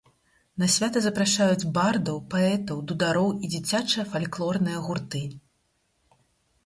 На свята запрашаюць бардаў, паэтаў, дудароў і дзіцячыя фальклорныя гурты.